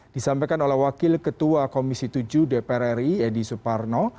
disampaikan oleh wakil ketua komisi tujuh dpr ri edi suparno